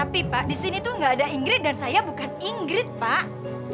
pak di sini tuh gak ada ingrid dan saya bukan ingrid pak